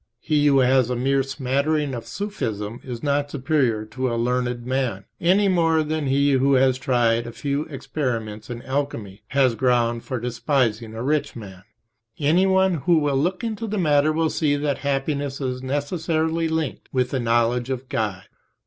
He who has a mere smattering of Sufism is not superior to a learned main, any more {p. 29} than he who has tried a few experiments in alchemy has ground for despising a rich man. Any one who will look into the matter will see that happiness is necessarily linked with the knowledge of God.